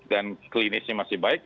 dan klinisnya masih baik